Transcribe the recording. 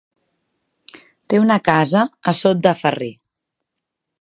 Té una casa a Sot de Ferrer.